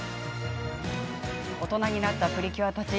大人になったプリキュアたち